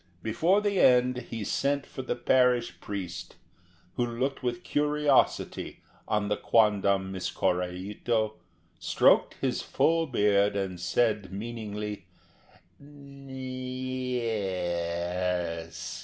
Before the end he sent for the parish priest, who looked with curiosity on the quondam Miss Korraito, stroked his full beard, and said meaningly, "N ... y ... es!"